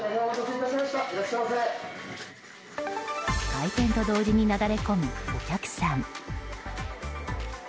開店と同時になだれ込むお客さん。